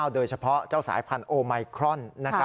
โดยเฉพาะเจ้าสายพันธุไมครอน